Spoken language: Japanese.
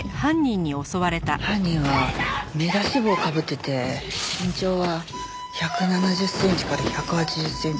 犯人は目出し帽をかぶってて身長は１７０センチから１８０センチくらい。